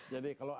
jadi kalau anda